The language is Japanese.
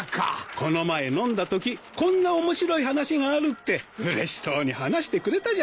この前飲んだときこんな面白い話があるってうれしそうに話してくれたじゃないですか。